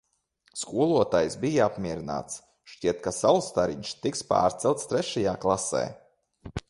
Skolotājs bija apmierināts, šķiet ka Saulstariņš tiks pārcelts trešajā klasē.